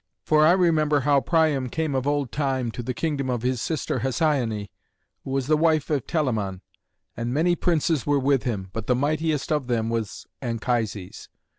For I remember how Priam came of old time to the kingdom of his sister Hesioné, who was the wife of Telamon; and many princes were with him, but the mightiest of them was Anchises.